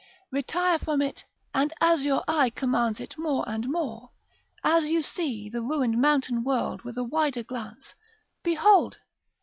Retire from it, and, as your eye commands it more and more, as you see the ruined mountain world with a wider glance, behold!